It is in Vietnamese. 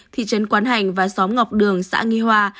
thị trấn quán hành và xóm ngọc đường xã nghi hoa